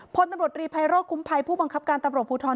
พลตำรวจรีไพโรธคุ้มภัยผู้บังคับการตำรวจภูทร